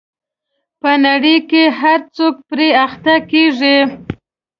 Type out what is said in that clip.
په نړۍ کې هر څوک پرې اخته کېږي.